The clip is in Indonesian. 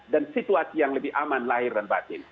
dan situasi yang lebih aman lahir dan batin